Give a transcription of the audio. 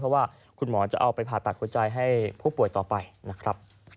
เพราะว่าคุณหมอจะเอาไปผ่าตัดหัวใจให้ผู้ป่วยต่อไปนะครับ